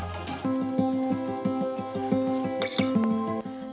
pembeli singkong di singkong